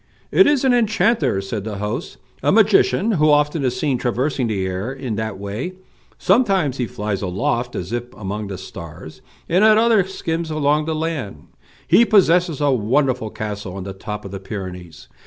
"It is an enchanter," said the host, "a magician who often is seen traversing the air in that way. Sometimes he flies aloft as if among the stars, and at others skims along the land. He possesses a wonderful castle on the top of the Pyrenees.